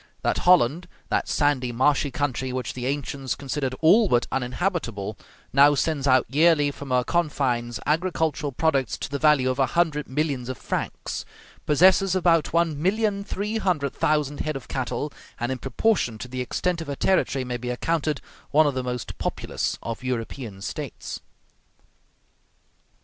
That Holland, that sandy, marshy country which the ancients considered all but uninhabitable, now sends out yearly from her confines agricultural products to the value of a hundred millions of francs, possesses about one million three hundred thousand head of cattle, and in proportion to the extent of her territory may be accounted one of the most populous of European States.